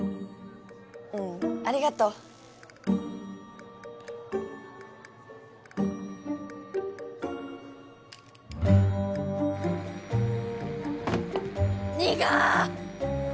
うんありがとう。にが！